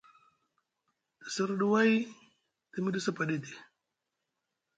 Te siriɗi way, te miɗi sapaɗi edi.